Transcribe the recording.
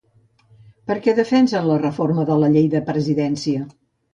Per què defensen la reforma de la llei de presidència?